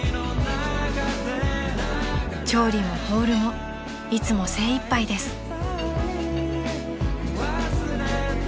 ［調理もホールもいつも精いっぱいです］